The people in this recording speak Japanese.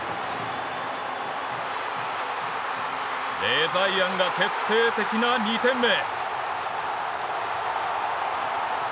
レザイアンが決定的な２点目！